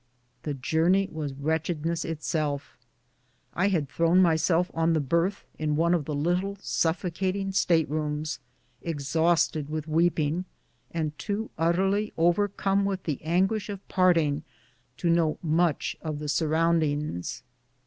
The journey was wretchedness itself. I had thrown myself on the berth in one of the little suffocating state rooms, exhausted with weeping, and too utterly overcome with the anguish of parting to know much of the surround ings.